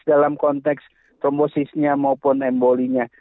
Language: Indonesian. dalam konteks trombosisnya maupun embolinya